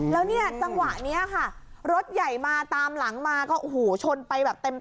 แล้วเนี่ยจังหวะนี้ค่ะรถใหญ่มาตามหลังมาก็โอ้โหชนไปแบบเต็ม